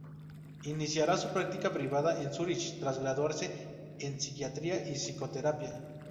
Iniciaría su práctica privada en Zúrich tras graduarse en psiquiatría y psicoterapia.